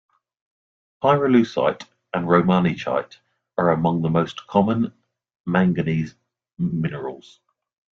Pyrolusite and romanechite are among the most common manganese minerals.